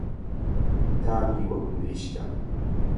تامی وەک مریشکە.